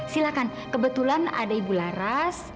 silakan kebetulan ada ibu laras